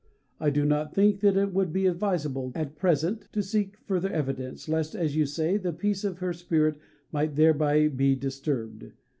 I do not think that it would be advisable at present to seek further evidence, lest, as you say, the peace of her spirit might thereby be disturbed.